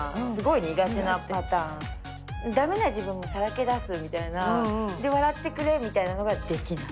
ダメな自分をさらけ出すみたいなで笑ってくれみたいなのができない。